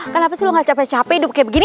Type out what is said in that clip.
kenapa sih lo gak capek capek duduk kayak begini